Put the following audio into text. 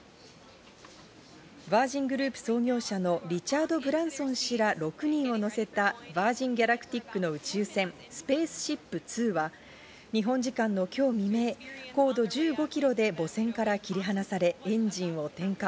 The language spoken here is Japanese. ヴァージングループ創業者のリチャード・ブランソン氏ら６人を乗せたヴァージン・ギャラクティックの宇宙船、スペースシップ２は、日本時間の今日未明、高度１５キロで母船から切り離され、エンジンを点火。